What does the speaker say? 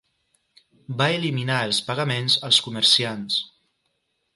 Va eliminar els pagaments als comerciants.